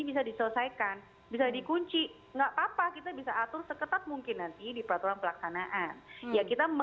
bisa dikunci ngak papa kita bisa atur seketat mungkin nanti di peraturan pelaksanaan ya kita